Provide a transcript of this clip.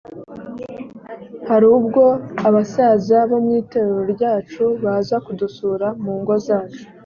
hari ubwo abasaza bo mu itorero ryacu baza kudusura mu ngo zacu.